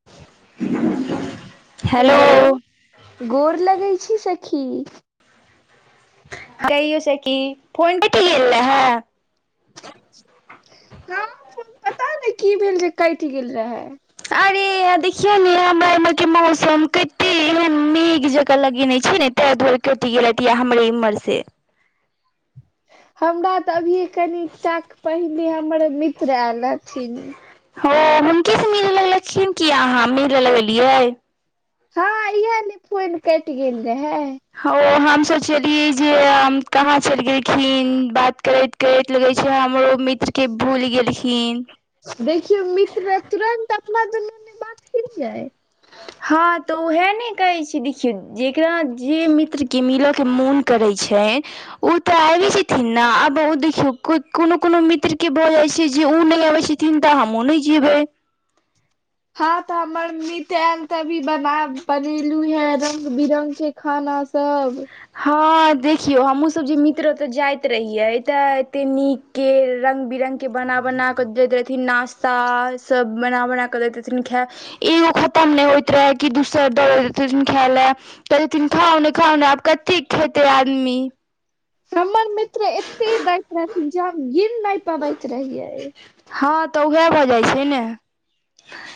[inaudible] Hello गोर लगै छी सखी। कहियो सखि फोन कटी गेल रहै। गाम म फोन पता नहि की भेल जे कटि गेल रहें। अरे यार देखियौ ने हमरा एमहर मौसम के केहन मेघ जकाँ लगेने छै ने, तें दुवारे कटि गेल हैत या हमरे इम्हर से। हमरा तऽ अभिये कनिटाक पहिने हमर मित्र ऐल रहथिन। हं हुनके से मिले लगलखिन, की अहाँ मिले लगलियै। हँ-हँ इहें ले फोन कटि गेल रहेंय। ओ हम सोचलियै जे अम कहाँ चलि गेलखिन बात करैत कहैत लगै छै, हमरो ओ मित्रके भूलि गेलखिन। देखियौ मित्र तुरन्त अपना दुनू मे बात केलियै। हँ तऽ उहें नहि कहै छी, देखियौ जेकरा जे मित्रके मिलऽ के मोन करै छय उ तऽ आइबे जेथिन ना, आब ओ देखियौ कोनो-कोनो मित्र के भ जाइ छै जे उ नहि अबै छ थिन त हमहुं नहि जेबै। हँ तऽ हमर मित्र ऐल तभी बना बनेलु हैं रंग-बिरंग के खाना सब। हँ देखियौ हमहूँ सब जे मित्र ओतऽ जाइत रहियै तऽ एते नी के रंग - बिरंगके बना-बना क दैत रहथिन, नश्ता सब बना बनााकऽ दैत रहथिन खै एगो खत्तम नहि होइत रहें, कि दुसरा द दैत रहथीन खाय लैं, कहितथीन खाउ ने खाउ न आब कते खेतै आदमी। हमर मित्र एते दैत रहथिन, जे हम गिन नहि पाबैत रहियै। हँ तऽ उहैं भऽ जाइ छै ने।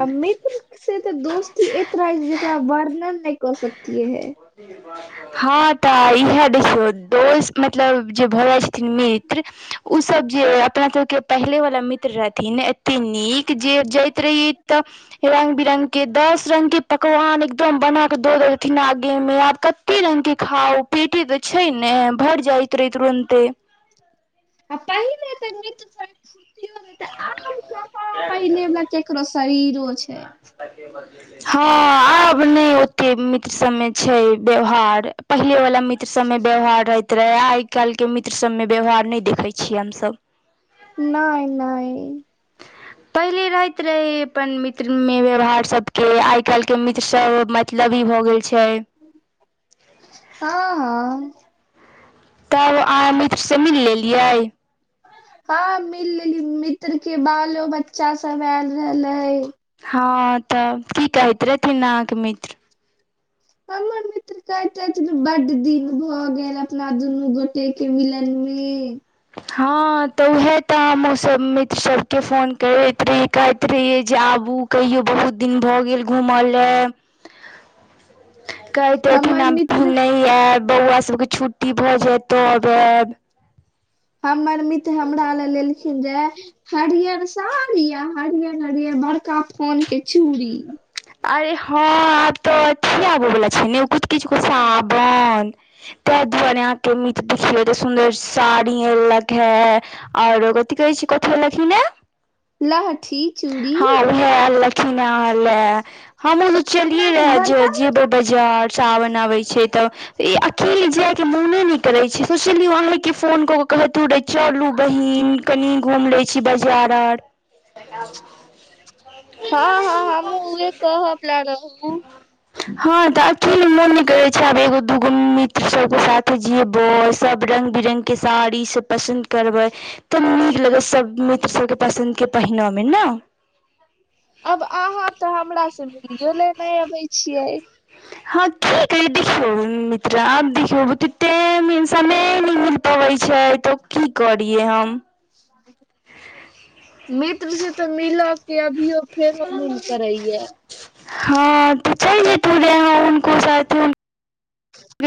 आ मित्र से त दोस्ती एत रहाय छै, जेकरा वर्णन नहि क सकतिये हैं। [inaudible] हँ तऽ इहैं देखियौ दोस मतलब जे भऽ जाइ छथिन मित्र उ सब जे अपना सबके पहले बला मित्र रहथिन एते नीक जे जाएत रहिए तऽ रंग-बिरंग के दस रंग के पकवान एकदम बना के दै रहथिन आ ग गे मे आब कत्ते रंग के खाउ पेटे ते छै नै भैर जाएत रहय तुरन्ते आ पहिले तै मित्र सबके फूरतियौ रहय तै आब कहां पहिलै बला कियाकि ककरो शरीरो छै। हां आब नै ओतय मित्र सबमें छै व्यवहार पहिले बला मित्र सबमें व्यवहार रहैत रहय, आए काएल के मित्र सबमें व्यवहार नै देखय छियै हम सब। नै-नै। पहिले रहैत रहै अपन मित्र मे व्यवहार सबके आइ काएल के मित्र सब म तलबी भऽ गेल छै। हां-हां। तब अहाँ मित्र से मिल लेलियै? हां मिईल लेलिए मित्र के बालो बच्चा सब ऐल रहय लहय हां तब की कहैत रहथिन अहाँके मित्र हमर मित्र कहेत रहय छलै बड दिन भऽ गेल अपना दुनू गोटे के मिलन मे। हां तऽ उहै तै हम्हूँ सब मित्र सबके फोन करैत रही कहैत रहियै जे आबू। कहियो बहुत दिन भऽ गेल घूमा लै [inaudible] कहैत रहथिन हमर हम मित्र [inaudible] नै ऐब बौआ सबके छुट्टी भै जाएत तब ऐब। हमर मित्र हमरा लै लेलखिन्ह रहय हरिहर साड़ी आ हरिहर-हरिहर बड़का फान के चूड़ी अरे हां आब तै अथी आबै बला छै नै उ कथी किछु [unintelligible] साबन। तै दुआारे आहां के मित्र देखियो एतै सुन्दर साड़ी आनलक हे। आर कथी कहय छीयै, कथी अनलखिन ऐ लहठी, चूड़ी। उहै आनलखिन्ह अहां लै हम्हु सोचलिये हमरा तऽ रहय जे बड़का बड़का जेबय बजा जार सावन आबय छै तब यै अकेले जाए में [inaudible] नै करय छै सोचलिए अहें के फोन क कै कहतू रहय चलू बहिन कनि घुम लै छी बाजार आर हां-हां हम्हुं उहे कहय बला रहु। हां तै अकेले मोन नै करय छै, आब एगो-दूगो मित्र सबके साथे जेबय सब रंग-बिरंग के साड़ी सब पसन्द करबै। तब नीक लगय छै, सब मित्र सबके पसन्द के पहिनै मे नै। आब अहाँ तै हमरा से मिलयो लै नै अबैय छीयै। हां की भेलय देखियौ मित्र आब देखियौ [unintelligible] समय [inaudible] होय छै तै की करियै हम। [unintelligible] मित्र से तऽ मिला के अभियो फेरो मून करय यै। हां तै चैल जेतो रहय अहां हुनको साथे।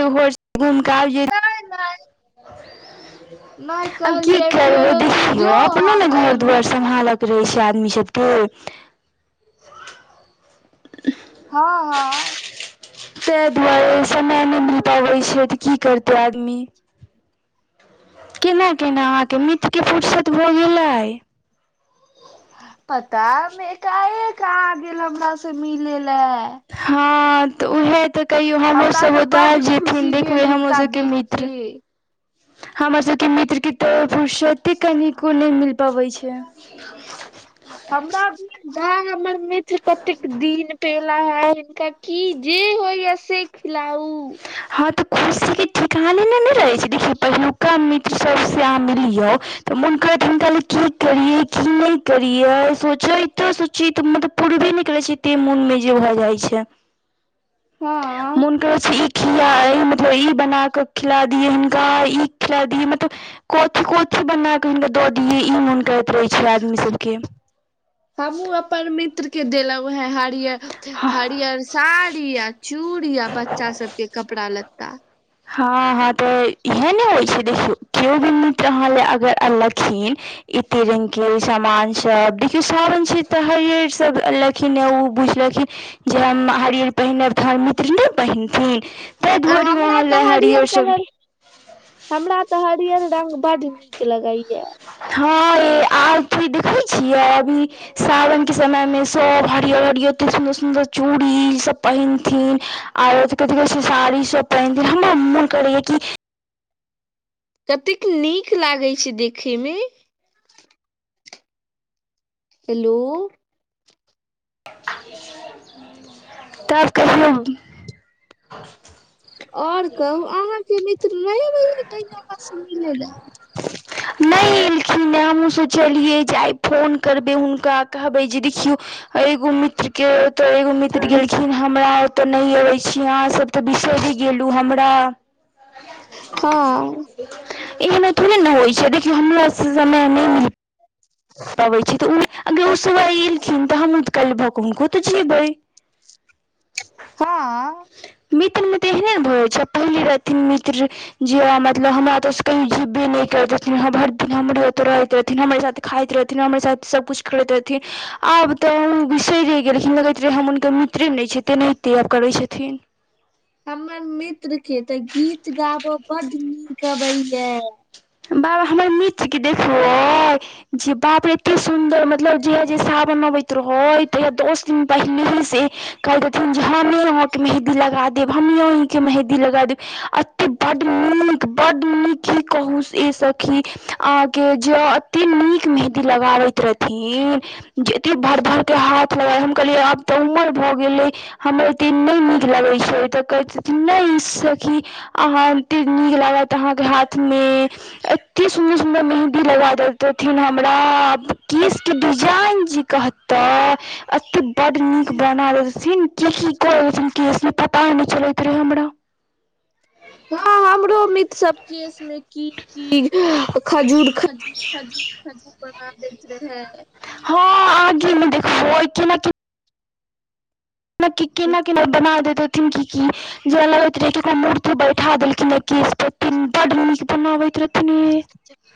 जो घर से घूमऽ के आएब जहिये। नहि नहि नहि आब की कहलियै करबै फेरो तू देखियौ, जो अपने नै हम अयबो घर-दुआर से सम्हारि कऽ रहै छै आदमी सभके। हँ -हँ। से भऽ गेल समय नहि मिल पाबैत छै, तऽ की करतै आदमी। केना-केना अहाँके मित्रके फुरसत भऽ गेलै? पता नहि, एकाएक आ गेल हमरा सँ मिले लेल। हँ तऽ उएह तऽ कहियौ हमरा हमरोसभ तऽ ओतऽ बड आबि जेथिन खुशी भेल देखबै हुनका देख की। हमर सभके मित्रके तऽ फुरसत कनिको नै मिल पाबै छैन। हमर भाय आ हमर मित्र कतेक दिन पे एला हे हिनकर की जे होइए, से खिलाउ। हँ तऽ खुशीके ठिकाने नहि रहै छै। देखियौ, पहिलुका मित्र सभसँ अहाँ मिलियौ। तऽ मोन करैत हिनका ले कि करियै, कि नै करियै, सोचलै तऽ चित्त में तऽ पूरबै नै करै छै, एते मोनमें जे भऽ जाइ छै। हँ। से किया मतलब ई बना कऽ खिला दियै हिनका, इ खिला दियै मतलब कथी-कथी बना कऽ हुनका दऽ दिअ, इ मोन करैत रहै छै आदमी सभ के। हमहूँ अपन मित्रके देलहुँ हँ, हँ हरियर-हरियर। साड़ी आ चूड़ी आ बच्चा सभके कपड़ा-लत्ता। हँ -हँ, तऽ इहे ने होइ छै। देखियौ, जँ केओ भी मित्र अहाँ ले अगर अनलखिन एते रंग के सामान सभ देखियौ। सावन छै तऽ हरियर सभ अलग केना ओ बुझलखिन जे हम हरियर पहिनेब, तऽ हमर मित्र नहि पहिनथिन। तै [unintelligible] आ धोरी हमरा लिअ। हरियर कहू। हमरा तऽ हरियर रंग बड्ड नीक लगैए। हँ, आब फेर देखै छी, अभी। सावनक समय में सभ हरियर-हरियर, सुनदर- सुन्दर चूड़ी सभ पहिरथिन। आओर कथी कही, साड़ी सभ पहिनथिन, हमरा मोन करैए कि कतेक नीक लागैत छै देखे में। हेलो। तब कहियौ। आओर कहू, अहाँक मित्र नै अबैया कहियो आहां सँ मिलय लेल? नै एलखिन हँ। हमहूँ सोचलियै जे आइ फोन करबै हुनका, कहबै जे देखियौ। एगो मित्र। केओ तऽ एगो मित्र गेलखिन, हमरा अतऽ नै आबै छी, अहाँ सभ तऽ बिसरि गेलहुँ हमरा तऽ। हँ। एहना थोड़े ने होइ छै, देखियौ हमरा सबके समय में अबैत छै तऽ। अगर ओ सब आइ एलखिन तऽ हम ओहि काल्हि भऽ कऽ हुनको तऽ जेबै। हँ। मित्र में तऽ एहने भऽ जाइ छै, पहिले रहथिन मित्र। जे मतलब, हमरा ओतऽ की कहियो जेबै नै करैत रहथिन? भैर दिन हमरा ओतऽ रहैत रहथिन, हमरहि साथे हमरे साथ खाइत रहथिन, हमरे साथ सब कुछ करैत रहथिन। आब तऽ ओ बिसैरै गेलखिन, होइत रहै हम हुनकर निक मित्र नै छै तेनाहिते आब करै छथिन। हमर मित्र के तऽ गीत गाबय बड्ड नीक अबैया। बाबा हमर मित्र के देखबै। जे बाप रे एते सुन्दर मतलब जँ जे सावन अबैत रहो तहिया दस दिन ह पहिलेहे [inaudible] से कैलकहथिन हमरो अहाँ कऽ मेंहदी लगा दैब हमरो अहाँ कऽ मेंहदी लगा दैब अ बड नीक बड नीक की कहुँ सँ ये सखी अहाँ के जँ एतेक नीक मेहन्दी लगाबैत रहथिन। जे एते भर भर के हाथ लगाय हम कहलियै आब तऽ उमर भऽ गेल अई। हमर एते नै नीक लागे छै त कहे छथिन नै सखी अहाँ अते नीक लागत अहाँ के हाथ में। एते सुन्दर सुन्दर मेहन्दी लगा देतेथिन हमरा केश के डिजाइन जे कह तऽ एतय बड्ड नीक बनाबे सीन के की कहन केस मे पता नहि चलैत रहै हमरा। हँ हमरो मित्र सब केस में की की खजूर खजूर खजूर खजूर बना दैत रहै। हँ आगे मे देखबोइ केना की केना केना बना देैतथिन कि की। जे लगैत रहे उकरा मूर्ति बैठा देलखिन ह केस पर की बड नीक बनाबैत रहथिन। यै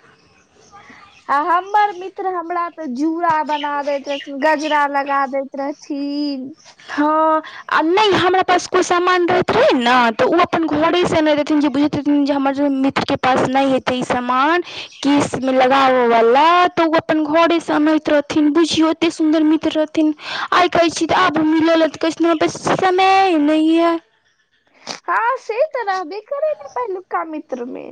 [inaudible] आ हमर मित्र हमरा ते जूड़ा बना दैत रहथिन गजरा लगा दैत रहथिन। हँ। आ नै हमरा पास कोइ सामान रहथिन न तऽ ओ अपन घरे सँ न देथिन जे बुझैतथिन जे हमर जे मित के पास न हेते ई सामान केस में लगाबऽ वाला तऽ ओ अपन घरे सनैत रहथिन बुझियो एते सुंन्दर मित रहथिन आइ कहे छी आब मिले ल त कहै छथिन हमरा पास समय नहि ये। हँ से तऽ रहबे करै ने पहिलुका मित्र मे।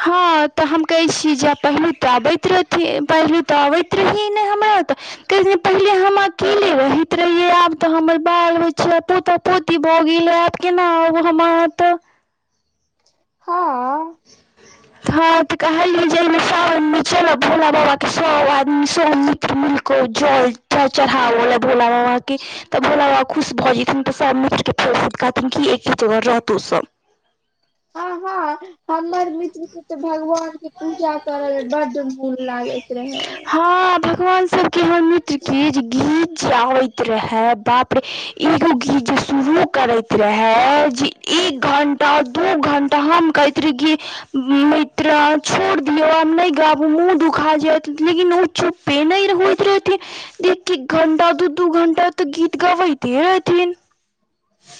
हँ तऽ हम कहै छीयै जे पहिलु तऽ आबैत रहथिन पहिलु तऽ आबैत त्री ही न हमरत। कहिन पहिले हम अकेले रहैत रहियै आब तऽ हमर बाल बच्चा पोता पो पोती भऽ गेल आब केना आब हम अतऽ। हँ। [inaudible] हँ तऽ कहलियै जे मे सावन में चलय भोला बाबा के सब आदमी सब मित्र मिलके जल। जल चढ़ावैले भोला बाबा के। तब भोला बाबा खुश भऽ जथिन तऽ सब मिल के फेरसँ कहथिन कि एके जगह रहतो सब। ह हँ हमर मित्र के तऽ भगवान के पूजा करय ले बड मोन लागैत रेहै। ह भगवान सब के हमर मित्र के जे गीत जँ होइत रेहे बाप रे एगो गीत जे शुरूओ करैत रहे जे एक घंटा दु घंटा हम कहैत री कि मित्तर छोड़ दियौ आब नहि गाबु मुँह दुखा जायत लेकिन ओ चुपे नहि होत रहेथि। एक एख घंटा दू दू घंटा तऽ गीत गाबैते रहथिन।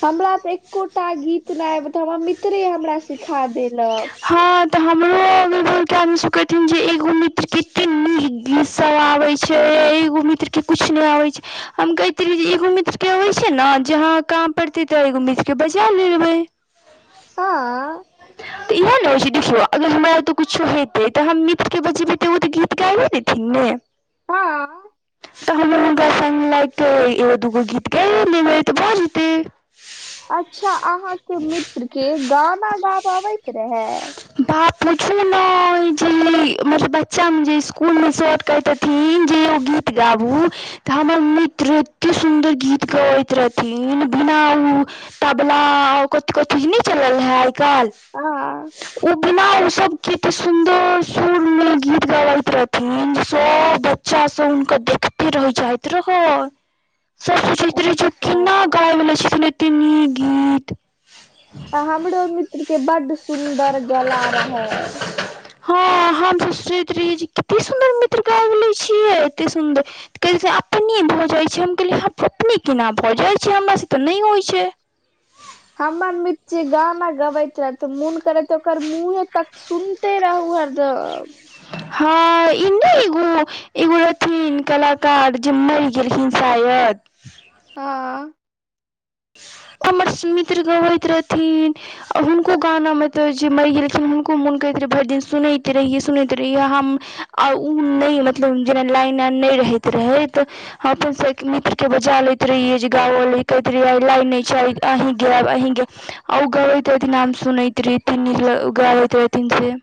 हमरा तऽ एकोटा गीत नहि आब त हमरा मित्रे हमरा सिखा देलक। हँ ते हमरो आगल बगल के आदमी सब कहथिन जे एगो मित्र कतेऽ नीक गीत सब आबै छै आ एगो मित्र के कुछ ने आवे छै। हम कहेत रिये जे एगो मित्र के आबै छै नऽ जेहाँ काम पड़ते तो एगो मित्र के बजा लेेबै। हँ। तऽ इएह ने होइ छै देखियौ अगर हमरा ओतऽ कुछो हेतै तऽ हम मित्र के बजेबै तऽ ओ तऽ गीत गाबै देथिन ने। [unintelligible] तऽ हमर हुनका संग लायके एगो दुगो गीत गैबै लेबय तऽ भऽ जेतै। अच्छा अहाँके मित्र के गाना गाबऽ अबैत रहै? बा पूछू नय जे मतलब बच्चा मे जे स्कूल मेसब कैहतथिन जे यौ गीत गाबू तऽ हमर मित्र एत्ते सुन्दर गीत गबैत रहथिन बिना उ तबला ओ कथी कै छै चीज नय चलल रहय आइ कल्। [inaudible] बिना ओ सब कत्ते सुंदर स्वर में ओ सब गीत गबैत रह्- फेन सब बच्चा सब हुनकर देखते रैह जाइत रह। [inaudible] त बुझु केना ह गाइब लै छथिन एत्ते नीक गीत। आ हमरो मित्र के बड सुन्दर गला रहै। हँ हम सोचैत रहियय कत्ते सुंन्दर मित्र गैइब छियै एते सुंदर। तऽ कै छै अपने भऽ जाइ छै हम कहलियै अपने केना भऽ जाइ छै? हमरासँ तऽ नय होइ छै। हमर मि्च् जे गाना गबैत रत् मोन करैत ओकर मुँहे तक- सुइनते रहु हरदम। हँ इन्दीगू। एगो रहथिन कलाकार जे मैर गेलखिन शायद। हँ। ओमर सु मित्र गबैत रहथिन। आ हुनको गानामे तऽ जे मैर गेलखिन हुनको मोन कहैत रहै भैरि दिन सुनैत रहियै, सुनैत रहियै आ हम। आ उ नय मतलब जेना लाइन। नय रहैत रहै तऽ, हम अपन मित्र के बजा लैत रहियै जे गाओ लइते। लय नै छै अहीं गैब अहीं गै, ओ गबैत रहथिन हय सुनैत रही। तीन न ल उगाबैत रहथिन से।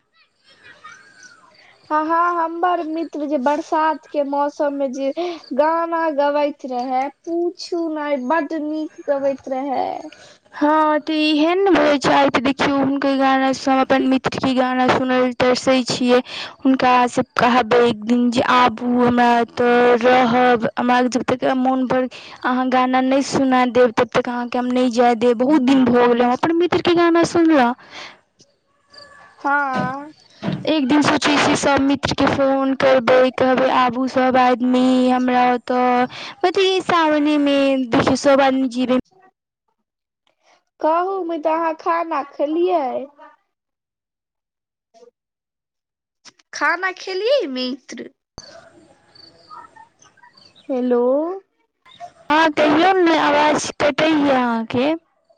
हँ हं हमर मित्र जे बरसात के मौसम मे जे गाना गबैत रहै। पूछू नय बड्ड नीक गबैत रहै। हँ तऽ एहै ने होइ छै आय त देखियौ हुनके गानाँ हम अपन मित्रके गाना सुनबय्- तरसै छियै हुनकासँ कहबै एक दिन जे आबू हमरा एतऽ रहब। हमरा जबतक मोन भर अहाँ गाना नय सुना देब तब तक अहाँके हम नय जाय दे- दे बहुत दिन भऽ गेलय हमश्र अपन मित्रके गाना सुनला। हँ। एक दिन सोचै छीयोश्र सभ मित्रके फोन करबै कहबै आबू सब आदमी हमरा‌ओत्- तऽ बकी ई सामने मे सब आदमी जीब। कहू मिताऽ अहाँ खाना खेलियै? खाना खेलियै मित्र? हेलो। अहान कहियौने आवाज कटैयै अहाँके।